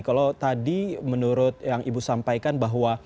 kalau tadi menurut yang ibu sampaikan bahwa